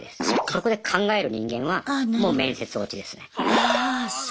そこで考える人間はもう面接落ちですね。